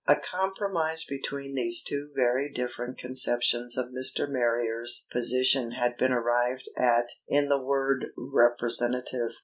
A compromise between these two very different conceptions of Mr. Marrier's position had been arrived at in the word "representative."